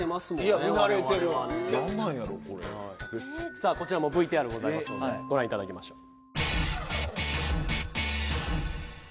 さあこちらもＶＴＲございますのでご覧いただきましょう。